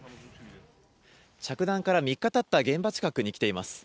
着弾から３日たった現場近くに来ています。